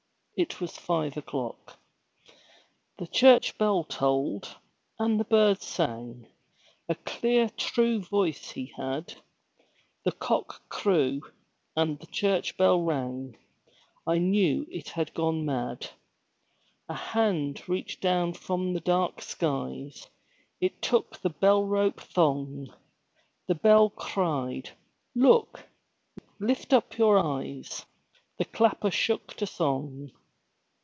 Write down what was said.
It was five o'clock. The church bell tolled, and the bird sang, A clear true voice he had; The cock crew, and the church bell rang, I knew it had gone mad. A hand reached down from the dark skies, It took the bell rope thong, The bell cried "Look! Lift up your eyes!" The clapper shook to song.